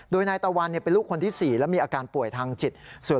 โดยนายตะวันเป็นลูกคนที่๔และมีอาการป่วยทางจิต